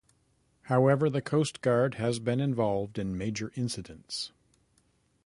However the Coast Guard has been involved in major incidents.